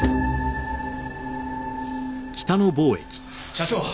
社長！